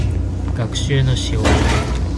学習のしおり